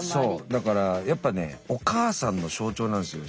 だからやっぱねお母さんの象徴なんですよ